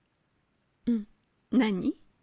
うん何？